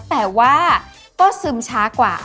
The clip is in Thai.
แต่ว่าก็ซึมช้ากว่า